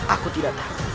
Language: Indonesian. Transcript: aku tidak tahu